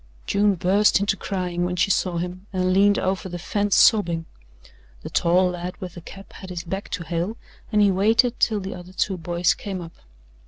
June burst into crying when she saw him and leaned over the fence sobbing. The tall lad with the cap had his back to Hale, and he waited till the other two boys came up.